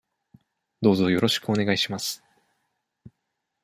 どうぞよろしくお願いします。